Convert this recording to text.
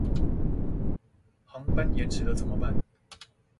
航班延遲了怎麼辦